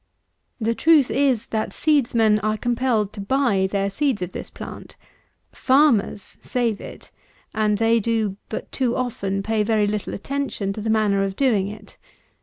The truth is, that seedsmen are compelled to buy their seeds of this plant. Farmers save it; and they but too often pay very little attention to the manner of doing it.